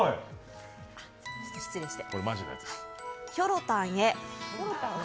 失礼して。